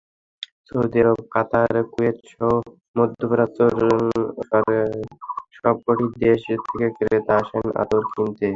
Saudi Arab, Qatar, কুয়েতসহ মধ্যপ্রাচ্যের সবকটি দেশ থেকে ক্রেতা আসেন আতর কিনতে।